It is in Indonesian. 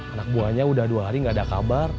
anak buahnya udah dua hari gak ada kabar